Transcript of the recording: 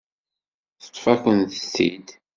Teṭṭef-akent-t-id.